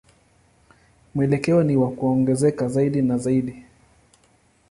Mwelekeo ni wa kuongezeka zaidi na zaidi.